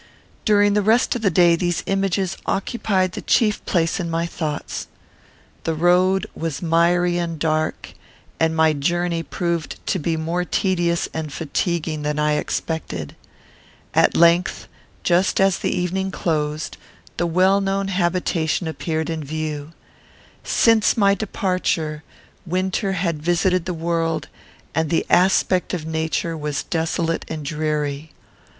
During the rest of the day these images occupied the chief place in my thoughts. The road was miry and dark, and my journey proved to be more tedious and fatiguing than I expected. At length, just as the evening closed, the well known habitation appeared in view. Since my departure, winter had visited the world, and the aspect of nature was desolate and dreary.